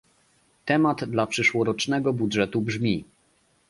Temat dla przyszłorocznego budżetu brzmi